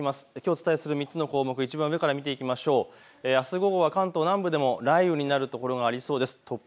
きょうお伝えする３つの項目いちばん上、あす午後は関東南部でも雷雨になる所がありそうです。